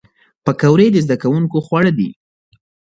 پکورې د زدهکوونکو خواړه دي